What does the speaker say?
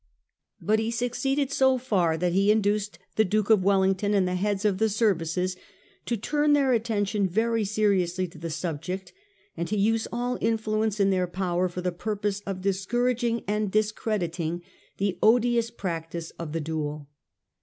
But he suc ceeded so far, that he induced the Duke of Welling ton and the heads of the services to turn their atten tion very seriously to the subject, and to use all the influence in their power for the purpose of discourag ing and discrediting the odious practice of the duel.